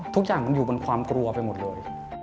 ทุกอย่างมันอยู่บนความกลัวไปหมดเลย